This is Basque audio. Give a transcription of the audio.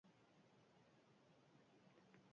Herrialde osoko hirugarren populatuena da.